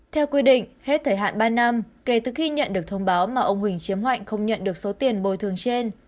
theo quy định hết thời hạn ba năm kể từ khi nhận được thông báo mà ông huỳnh chiếm mạnh không nhận được số tiền bồi thường trên